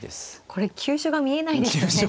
これ急所が見えないですよね